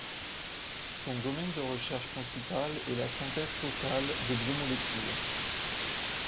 Son domaine de recherche principal est la synthèse totale de biomolécules.